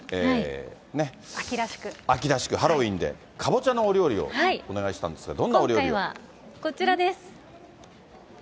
秋らしく、ハロウィーンで、かぼちゃのお料理をお願いしたい今回は、こちらです。